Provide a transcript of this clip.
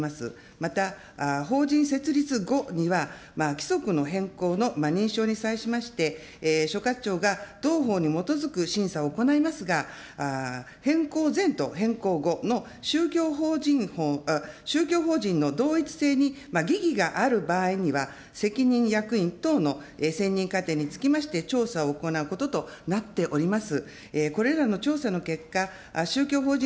また、法人設立後には、規則の変更の認証に際しまして、所轄庁が同法に基づく審査を行いますが、変更前と変更後の宗教法人の同一性に疑義がある場合には、責任役員等の選任過程につきまして、調査を行うこととなっております。